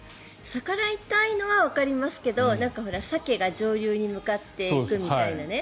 逆らいたいのはわかりますけどなんか鮭が上流に向かっていくみたいなね。